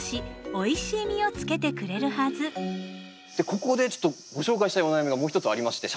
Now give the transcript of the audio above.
ここでちょっとご紹介したいお悩みがもう一つありまして。